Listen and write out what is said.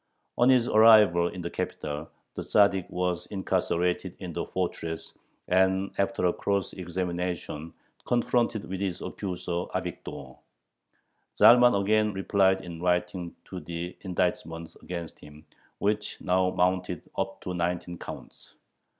On his arrival in the capital the Tzaddik was incarcerated in the fortress, and after a cross examination confronted with his accuser Avigdor. Zalman again replied in writing to the indictments against him, which now mounted up to nineteen counts.